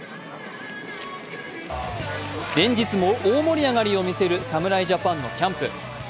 連日大盛り上がりを見せる侍ジャパンのキャンプ。